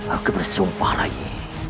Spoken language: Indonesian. aku bersumpah rayi